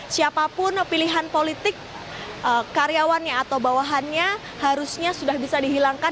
siapapun pilihan politik karyawannya atau bawahannya harusnya sudah bisa dihilangkan